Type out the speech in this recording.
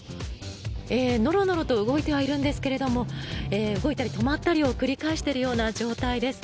のろのろと動いてはいるんですけども動いたり止まったりを繰り返しているような状態です。